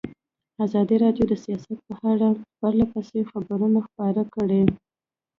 ازادي راډیو د سیاست په اړه پرله پسې خبرونه خپاره کړي.